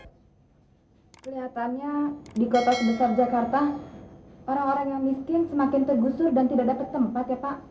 kelihatannya di kota sebesar jakarta orang orang yang miskin semakin tergusur dan tidak dapat tempat ya pak